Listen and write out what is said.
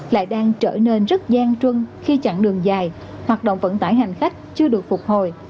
lại đang trở nên rất gian trưng khi chặn đường dài hoạt động vận tải hành khách chưa được phục hồi